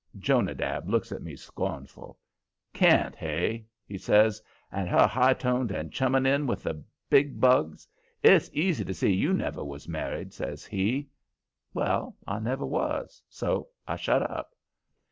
Jonadab looks at me scornful. "Can't, hey?" he says. "And her high toned and chumming in with the bigbugs? It's easy to see you never was married," says he. Well, I never was, so I shut up.